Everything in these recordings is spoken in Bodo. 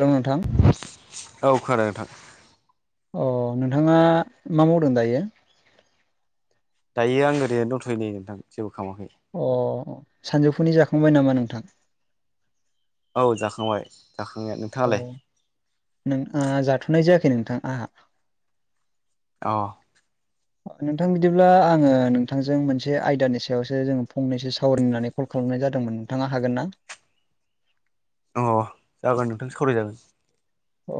हेल' नोंथां। औ खोनादों नोंथां। अ नोंथाङा मा मावदों दायो? दायो आं ओरैनोंथ' नै नोंथां जेबो खालामाखै। अ सानजौफुनि जाखांबाय नामा नोंथां? औ जाखांबाय जाखांनायानो। औ नों जाथ'नाय जायाखै नोंथां आंहा। औ नोंथां बिदिब्ला आंङो नोंथांजों मोनसे आयदानि सायावसो जोङो फंनैसो सावरायनो कल खालामनाय जादोंमोन नोंथाङा हागोन ना? अ जागोन नोंथां सावरायजागोन। अ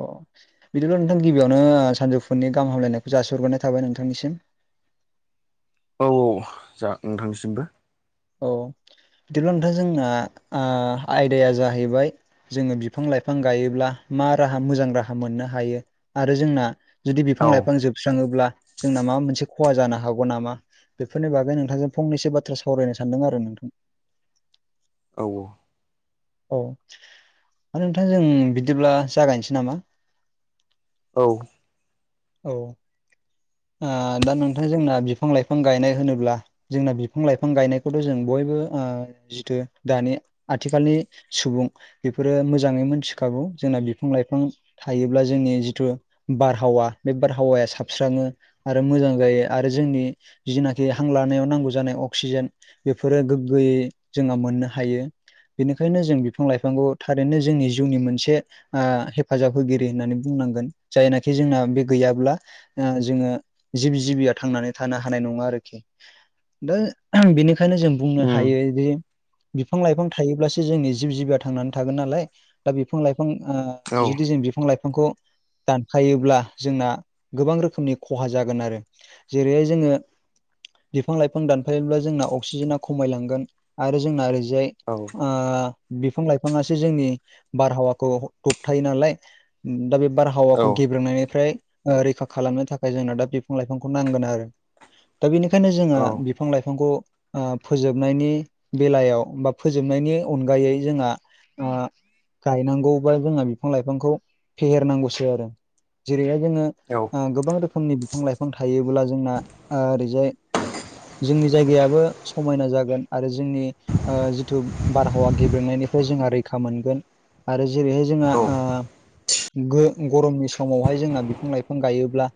बिदिल' नोंथां गिबियावनो सानजौफुनि गाहाम हामलायनायखौ जाासोहरग्रोनाय थाबाय नोंथांनिसिम। औ औ जा नोंथांनिसिमबो। औ बिदिब्ला नोंथां जोंना आयदाया जाहैबाय जोङो बिफां-लाइफां गायोब्ला मा राहा मोजां राहा मोननो हायो आरो जोंना जुदि बिफां औ लाइफां जोबस्राङोब्ला जोंना माबा मोनसे खहा जानो हागौ नामा? बेफोरनि बागै नोंथांजों फंनैसो बाथ्रा सावरायनो सानदों आरो नोंथां। औ। औ नोंथां जों बिदिब्ला जागायनोसै नामा? औ। औ। ओ दा नोंथां जोंना बिफां लाइफां गायनाय होनोब्ला जोंना बिफां लाइफां गायनायखौथ' जों बयबो ओ जिथु दानि आथिखालनि सुबुं‌ बेफोरो मोजाङै मोनथिखागौ जोंना बिफां लाइफां थायोब्ला जोंनि जिथु बारहावा बे बारहावाया साबस्राङो। आरो मोजां जायो आरो जोंनि जिनाखि हां लानायाव नांगौ जानाय अक्सिजेन बेफोरो गोगोयै जोंहा मोननो हायो। बेनिखायनो जों बिफां लाइफांखौ थारैनो जोंनि जिउनि मोनसे ओ हेफाजाब होगिरि होननानै बुंनांगोन जायनाखि जोंना बे गैयाब्ला ओ जोङो जिब जिबिया थांनानै थानो हानाय नङा आरोखि दो बेनिखायनो जों बुंनो उम हायो जे बिफां लाइफां थायोब्लासो जोंनि जिब जिबिया थांनानै थागोन नालाय दा बिफां लाइफां ओ औ जुदि जों बिफां लाइफांखौ दानखायोब्ला जोंना गोबां रोखोमनि खहा जागोन आरो जेरैहाय जोङो बिफां लाइफां दानफायब्ला जोंना अक्सिजेनाना खमायलांगोन आरो जोंना ओरैजाय [unintelligible] ओ बिफां लाइफाङासो जोंनि बारहावाखौ थबथायो नालाय। दा बे बार औ हावाखौ गेब्रोंनायनिफ्राय ओ रैखा खालामनो थाखाय जोंनो दा बिफां लाइफांखौ नांगोन आरो। दा बेनिखायनो जोंङो औ बिफां लाइफांखौ ओ फोजोबनायनि बेलायाव बा फोजोबनायनि अनगायै जोंहा गायनांगौबा जोंहा बिफां लाइफांखौ फेहेरनांगौसो आरो। जिरैहाय जों औ। गोबां रोखोमनि बिफां लाइफां थायोब्ला जोंना ओरैजाय जोंनि जायगायाबो समायना जागोन आरो जोंनि ओ जिथु बारहावा गेब्रेनायनिफ्राय जोंहा रैखा मोनगोन आरो जेरैहाय जोंहा औ औ ओ गो गरमनि समावहाय जोंना बिफां लाइफां गायोब्ला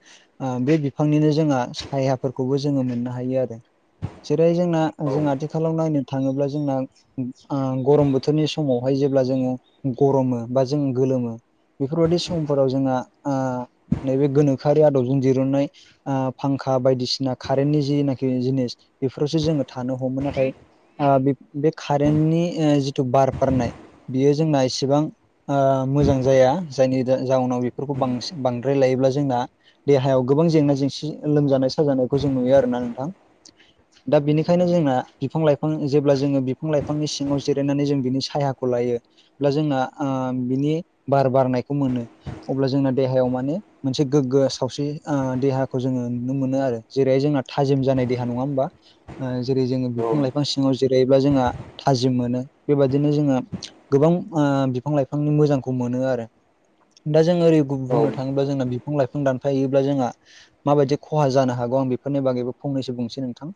ओ बे बिफांनिनो जोंहा सायाफोरखौबो जोङो मोननो हायो आरो। जेरै जोंना जों औ औ आथिखालाव नायनो थाङोब्ला जोंना ओ गरम बोथोरनि समावहाय जेब्ला जोङो गरमो बा जों गोलोमो बेफोरबायदि समफोराव जोंहा ओ नैबे गोनोखोआरि आदबजों दिरुननाय ओ फांखा बायदिसिना कारेन्टनि जिनाखि जिनिस बेफोरावसो जोङो थानो हमो नाथाय ओ बे बे कारेन्टनि जिथु बार बारनाय बेयो जोंना इसेबां ओ मोजां जाया जायनि जाउनाव बेफोरखौ बांसिन बांद्राय लायोब्ला जोंना देहायाव गोबां जेंना जेंसि लोमजानाय साजानायखौ जों नुयो आरोना नोंथां। दा बिनिखायनो जोंना बिफां लाइफां जेब्ला जोङो बिफां लाइफांनि सिङाव जिरायनानै जों बिनि साया लायोब्ला जोंना बिनि बार बारनायखौ मोनो अब्ला जोंना देहायाव माने मोनसे गोग्गो आस खावस्रि देहाखौ जोङो नुनो मोनो आरो जेरैहाय जोंना थाजिम जानाय देहा नङा होमबा जेरै जोङो बिफां लाइफां सिङाव जिरायोब्ला जोंहा थाजिम मोनो बेबादिनो जोङो गोबां ओ बिफां लाइफांनि मोजांखौ मोनो आरो दा जों ओ गुब बुंनो थाङोब्ला जोंना बिफां लाइफां थायोब्ला जोंहा माबायदि खहा जानो हागौ आं बेफोरनि बागैबो फंनैसो बुंनोसै नोंथां।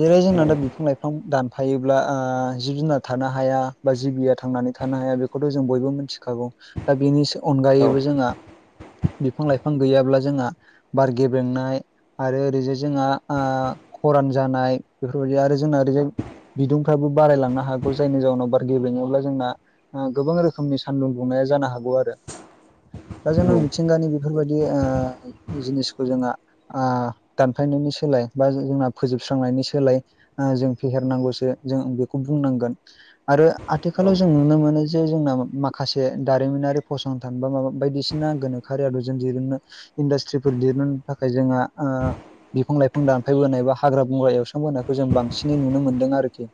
जेरै जोंना दा बिफां बिफां दानफायोब्ला जिब जुनार थानो हाया बा जिबिया थांनानै थानो हाया बे जों बयबो मिथिखागौ दा बेनि अनगायैबो जोंहा बिफां लाइफां बिफां गैयाब्ला जोंहा बार गेब्रेंनाय आरो ओरैजाय जोंहा खरान जानाय बेफोरबायदि आरो जोंना ओरैजाय बिदुंफ्राबो बारायलांनो हागौ जायनि जााहनाव बार गेबेङोब्ला जोंना गोबां रोखोमनि सानदुं दुंनाया जानो हागौ आरो दा जोंना मिथिंगानि बेफोरबायदि जिनिसखौ जोंहा दानफायनायनि सोलाय बा जोंना फोजोबस्रांनायनि सोलाय जों फेहेरनांगौसो जों बेखौ बुंनांगोन आरो आथिखालाव जों नुनो मोनो जे जोंना माखासे दारिमिनारि फसंथान बा मा बायदिसिना गोनोआरिया ुननो इास्ट्रिफोर दिरुननो थाखाय जोंहा बिफां लाइफां दानफायबोनाय बा हाग्रा बंग्रा एवस्रांबोनायखौ जों बांसिनै नुनो मोनदों आरोखि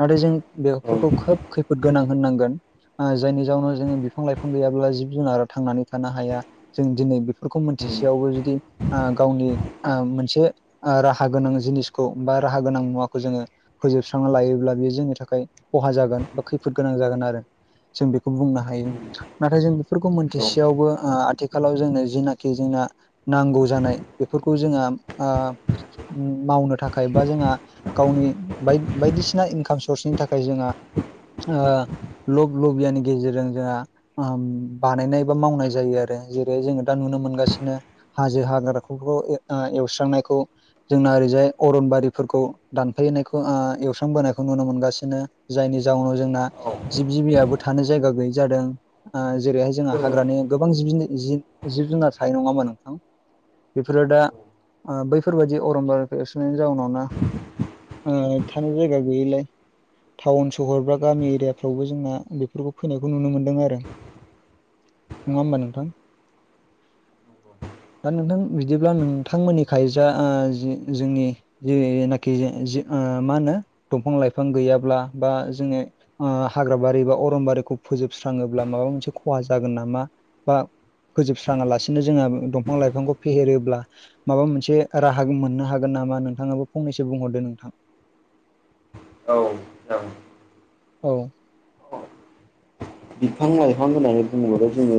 नाथाय जों बेफोरखौ खोब खैफद बुद गोनां होननांगोन जायनि जाउनाव जोङो बिफां लाइफां गैयाब्ला जिब जुनारा थांनानै थानो हाया जों दिनै बेफोरखौ मोनथिसेयावबो जुदि गावनि मोनसे राहा गोनां जिनिसखौ बा राहा गोनां मुवाखौ जोङो फोजोबस्रांना लायोब्ला बेयो जोंनि थाखाय खहा जागोन बा खैफोद गोनां जागोन आरो जों बेखौ बुंनो हायो नाथाय जों बेफोरखौ मोनथिसेयावबो आथिखाल आथिखालाव जोंनो जिनाखि जोंना नांगौ जानाय बेफोरखौ जोंहा मावनो थाखाय बा जोंहा गावनि बायदिसिना इनकाम सर्सनि थाखाय जोंहा लब लबियानि गेजेरजों जोंहा बानायनाय बा मावनाय जायो आरो जेरै जोङो दा नुनो मोनगासिनो हाजो हाग्राफोरखौ एवस्रांनायखौ जोंना ओरैजाय अरनबारिफोरखौ दानफैनायखौ एवस्रांबोनायखौ नुनो मोनगासिनो जायनि जाउनाव जोंना जिब जिबियाबबो थानो जायगा गैयै जादों जेरैहाय जोंहा हाग्रानि गोबां जिबुन जिब जुनार थायो नङा होमा नोंथां बेफोरो दा बैफोरबाददि अरमबारखौ एरसोननायनि जाउनाव थानो जायगा गैयिलाय टाउन सहर बा गामि एरियाफ्रावबो जोंना बेफोरखौ फैनायखौ नुनो मोन्दों आरो नङा होमबा नोथां दा नोंथां बिदिब्ला नोंथांमोननिखायजा जोंनि जेरैनाखि मा होनो दंफां लाइफां गैयाब्ला बा जोङो हाग्राबारि बा अरमबारिखौ फोजोबस्राङोब्ला माबा मोनसे खहा जागोन नामा बा फोजोबस्राङालासिनो जोङो दंफां लाइफांखौ फेहेरोब्ला माबा मोनसे राहा मोननो हागोन नामा नोंथाङाबो फंनैसो बुंहरदो नोंथां औ जागोन औ बिफां लाइफां होननानै बुङोब्ला जोङो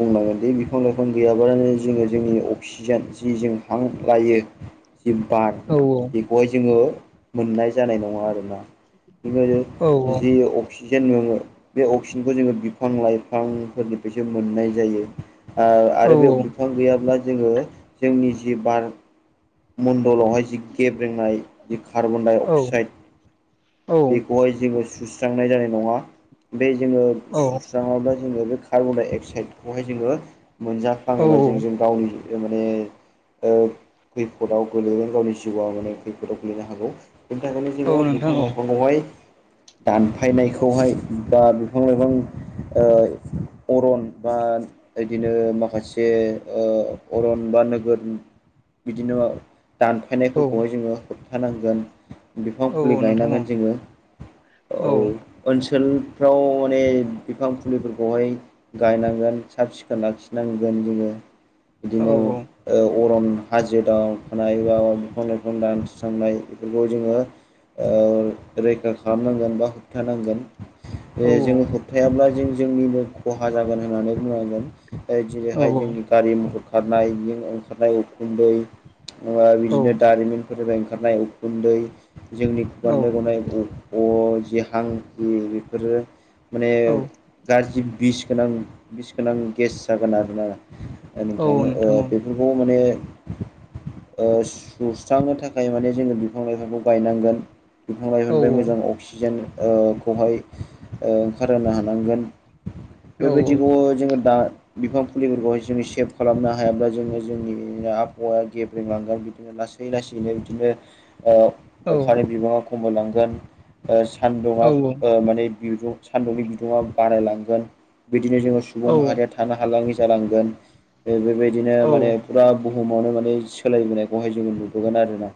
बुंनांगोन बे बिफां लाइफां गैयाब्लानो जोङो जोंनि अफिस सिजोन जि जों हां लायो जि बाग औ औ बय जोङो मोननाय जानाय नङा आरोना जोङो जों औ बुजियो अ अक्सिजेन मोनङो बे अक्सिजेनखौ जोङो बिफां लाइफांफोरनिफ्रायसो मोननाय जायो ओ औ आरो बे बिफां गैयाब्ला जोङो जोंनि जि बार मण्न्दलावहाय जि गेब रेंनाय जि कार्बन डाइ औ अक्साइड बेखौहाय जोङो सुस्रांनाय जानाय नङा बे जोङो औ सुस्राङाब्ला जोङो बे खा कार्बन दाइ अक्साइदखौहाय जोङो औ मोनजाफ्लाङोबा जों जों गावनि माने खैफोदाव गो्लैगोन गावनि जिउआव माने खैफोदाव गोलैनो हागौ बेनि थाखायनो औ जोङो नोंथां बिफां औ लाइफांआवहाय दानफायनायखौहाय बा बिफां लाइफां अरन बा बिदिनो माखासे अरन बा नोगोर बिदिनो औ दानफायनायफोरखौहाय जोङो होबथानांगोन बिफां औ फुलि नोंथां औ गायनांगोन जोङो औ ओनसोलफ्राव माने बिफां फुलिफोरखौहाय गायनांगोन साब सिखोन लाखिनांगोन जोङो औ बिदिनो ओ अरन हाजो दाव थानायाय बा बिफां लाइफां दानसस्रांनाय बेफोरखौ जोङो ओ रैखा खालामनांगोन बा होबथानांगोन औ बे जोङो होब थायायाब्ला जों जोंनिबो खहा जागोन होननानै बुंनांगोन औ जनैहाय जोंनि गारि मथर खारनाय ओंखारनाय उखुन्दै औ बिदिनो दारिमिन फोरनिफ्राय ओंखारनाय उखुन्दै जोंनि औ खुगानिफ्राय गनाय अ-अ जि हां जि बेफोरो माने औ गाज्रि बिस गोनां बिस गोनां गेस जागोन आरोना नोंथां ओ बे बेफोरखौ माने ओ सुस्रांनो थाखाय माने जोङो बिफां लाइफांखौ गायनांगोन फां लाइफां औ निफ्राय मोजां अक्सि जेन ओ खौहाय ओ ओंखारहो हानांगोन औ बेबायदिखौ जोङो दा बिफां फुलिफोरखौाय जोङो सेभ खालामनो हायाब्ला जोङो जोंनिनो आबहावाया गेब्रेंलांगोन बिदि लासै लासैयैनो बिदिनो ओ अखानि बिबाङा खमायलांगोन ओ औ सानदुङा माने बिदुं सान्दुंनि बिदुङा बारायलांगोन बिदिनो जोङो सुबुं औ माहारिया थानो हालाङि जालांगोन बेबायदिनो माने फुरा बुहुमावनो माने सोलायबोनायखौहाय जोङो नुबोगोन आरोना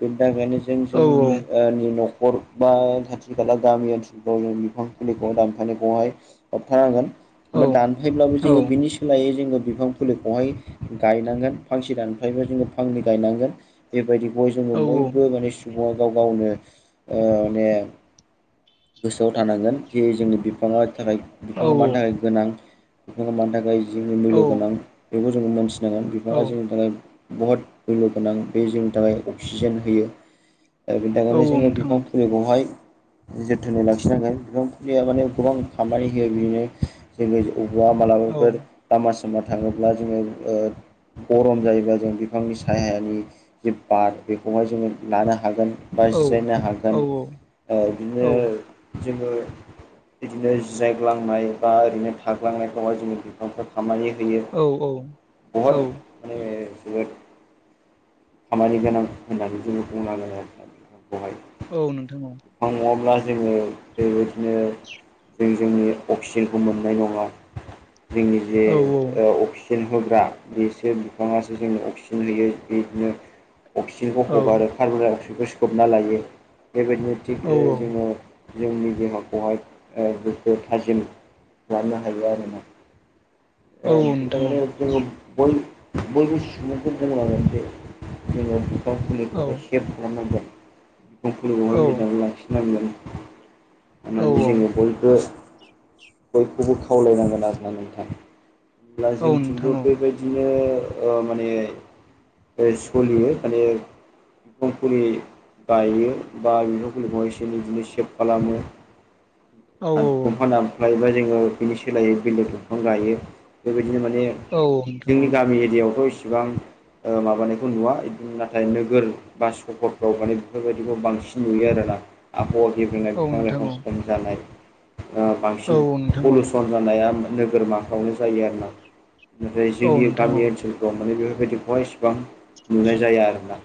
बेनि थाखायनो जों जोंनि ओ नि न'खर बा खाथि खाला गामि ओनसोलफ्राव जों बिफां फुलिखौ दानफानायखौहाय होबथानांगोन ओमफाय दानफायब्लाबो औ नोंथां औ नोंथां औ जोङो बिनि सोलायै जोङो बिफां फुलिखौहाय गायनांगोन फांसे दानिफ्रायबो जोङो फांनै गायनांगोन बेबायदिखौ जोङो बयबो माने सुबुङा गाव गावनो ओ माने गोसोआव थानांगोन जे जोंनि बिफ बिफां थाखाय बिफांङा मानि थाखाय गोनां बिफांङा मानि थाखाय जोंनि मोल्य गोनां बेखौ जोङो मोनथिनांगोन बिफाङा जोंनि थाखाय बहुत मुल्य गोनां बे जोंनि थाखाय अक्सिजेन होयो आरो बेनि थाखायनो जोङो बिफां फुलिखौहाय जोथोनै लाखिनांगोन बिफां फुलिया माने गोबां खामानि होयो बिदिनो जोनि बबेबा मालाबाफोर लामा सामा थाङोब्ला जोङो ओ गरम जायोब्लाा जों बिफांनि सायानि जे बार बेखौहाय जोङो लानो हागोन बा जिरायनो हागोन ओ बिदिनो जोङो बिदिनो जिरायग्लांनाय बा ओरैनो थाग्लांनायफ्रावहाय जोङो नावख खामनि होयो बहद माने जोबोद खामानि गोनां होननानै जोङो बुंनांगोन आरोना बिफां खौहाय औ नोंथां औ [unintelligible] जोङो [unintelligible] जों जोंनि अक्सिजेनखौ मोननाय नङा। जोंनि जे अक्सिजेन होग्रा बेसो बिफाङासो जोंनो अक्सिजेन होयो। बिदिनो अक्सिजेनखौ हगारो कार्बनडाइ अक्साइदखौ सोबना लायो बेबायदिनो थिग ओ जोङो जोंनि देहाखौहाय ओ गोखो थाजिम लानो हायो आरो ना ओ नोंथां तारमाने बेखौ जोङो बय-बयबो सुबुंजों लानानै जोङो बिफां औ औ फुलिखौहाय नोंथां औ सेभ खालामनांगोन बिफां फुलिखौहाय मोजां लाखि नांगोन होननानै जोङो बयबो बयखौबो खावलायनांगोन आर ना नोंथां होमब्ला जोंथिंबो बेबायदि बिदिनो ओ माने सोलियो माने बिफां फुलि गायो बा बिफां फुलिखौहाय एसे बिदिनो सेभ खालामो। औ औ दंफां दानफायोबा जोङो बिनो सोलायो बेलेग दंफां गायो बेबायदिनो माने औ नोंथां औ जोंनि गामि एरियायावथ' इसिबां ओ मा बानायखौ नुवा नाथाय नोगोर बा सहरफ्राव मानाय बेफोरबायदिखौ बांसिन नुयो आरोना। आबहावा गेब्लनाय औ बिफां नोंथां लाइफां औ खम जानाय औ बांसिन नोंथां औ पलुसन जानाया नोगोरमाखायावनो जायो आरो ना। ओमफ्राय औ जोंनि नोंथां औ गामि ओनसोल दं मे बेफोरबायदिखौहाय इसिबां नुनाय जाया आरोना।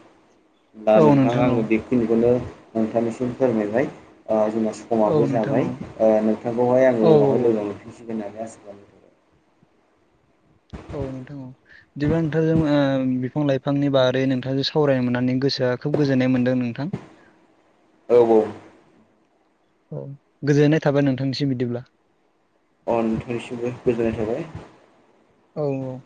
दा औ नोंथाङा नोंथां औ आङो बे खिनिखौनो नोंथांनिसिम फोरमायबाय ओ जोंना औ समाबो नोंथां जाबाय औ नोंथांखौहाय औ आङो उनावहाय लोंनां लांफिनसिगोन होननानै आसा खालामो। औ नोंथां बिब्ला नोंथांजों ओ बिफां लाइ फांनि बारै नोंथांजों सावरायनो मोननानै गोसोआ खोब गोजोननाय मोनदों नोंथां। औ औ औ गोजोननाय थाबाय नोंथांनिसिम बिदिब्ला। अ नोंथांनिसिमबो गोजोननाय थाबाय। औ औ